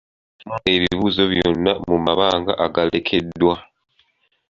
Ddamu ebibuuzo byonna mu mabanga agalekeddwa.